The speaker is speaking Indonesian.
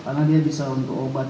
karena dia bisa untuk obat